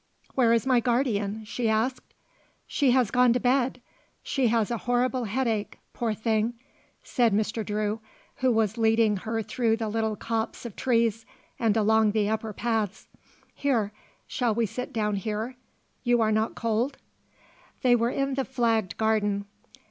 "Where is my guardian?" she asked. "She has gone to bed. She has a horrible headache, poor thing," said Mr. Drew, who was leading her through the little copse of trees and along the upper paths. "Here, shall we sit down here? You are not cold?" They were in the flagged garden.